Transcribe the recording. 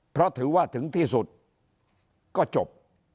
เพราะถือว่าถึงที่สุดก็จบ